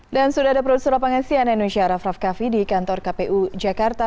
dan sudah ada produser lapangan sian indonesia raff raff kavi di kantor kpu jakarta